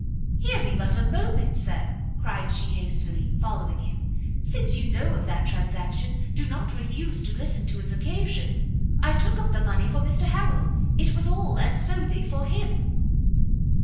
"Hear me but a moment, Sir!" cried she hastily, following him; "since you know of that transaction, do not refuse to listen to its occasion; I took up the money for Mr Harrel; it was all, and solely for him."